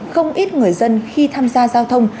không ít người dân khi tham gia giao thông